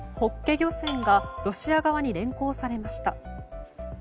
漁船がロシア側に連行されました。